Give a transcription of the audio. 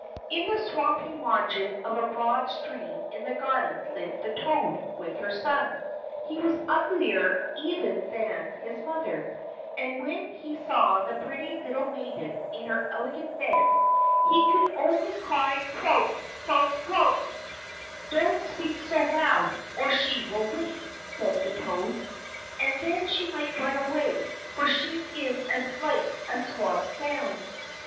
In the swampy margin of a broad stream in the garden lived the toad, with her son. He was uglier even than his mother, and when he saw the pretty little maiden in her elegant bed, he could only cry: "Croak, croak, croak." "Don't speak so loud, or she will wake," said the toad, "and then she might run away, for she is as light as swan's down.